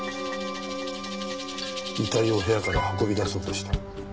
遺体を部屋から運び出そうとした？